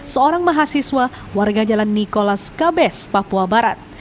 seorang mahasiswa warga jalan nikolas kabes papua barat